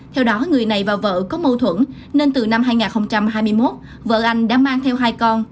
theo đó người này và vợ có mâu thuẫn nên từ năm hai nghìn hai mươi một vợ anh đã mang theo hai con